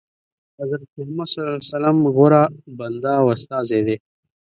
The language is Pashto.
حضرت محمد صلی الله علیه وسلم غوره بنده او استازی دی.